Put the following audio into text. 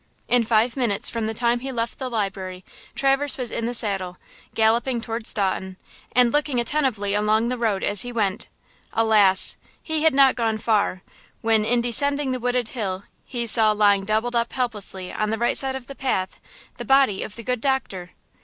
In five minutes from the time he left the library Traverse was in the saddle, galloping toward Staunton, and looking attentively along the road as he went. Alas! he had not gone far, when, in descending the wooded hill, he saw lying doubled up helplessly on the right side of the path, the body of the good doctor!